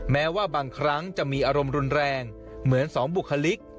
แม้ว่าบางครั้งจะมีอารมณ์รุนแรงเหมือนสองบุคลิก